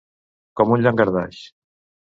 Com un llangardaix.